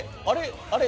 あれ？